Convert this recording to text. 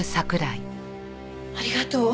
ありがとう。